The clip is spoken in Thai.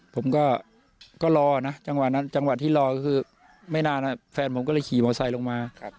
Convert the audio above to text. ผมก็รอนะจังหวะที่รอคือไม่นานแฟนผมก็เลยขี่มอเตอร์ไซค์ลงมา